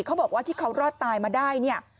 เขาบอกว่าที่เขารอดตายมาได้เนี่ย